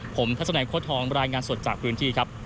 ผมทัศนัยโค้ดทองรายงานสดจากพื้นที่ครับ